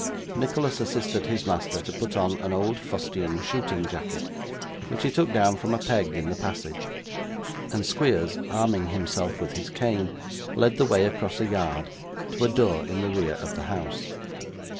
Nicholas assisted his master to put on an old fustian shooting jacket, which he took down from a peg in the passage; and Squeers, arming himself with his cane, led the way across a yard, to a door in the rear of the house.